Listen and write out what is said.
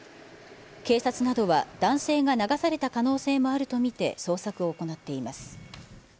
警察などは男性が流された可能性もあると見て、捜索を行っています。